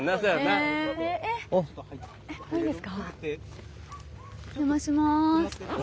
お邪魔します。